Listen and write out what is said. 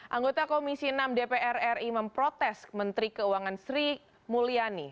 anggota komisi enam dpr ri memprotes menteri keuangan sri mulyani